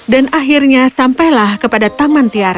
dan akhirnya sampailah kepada taman tiara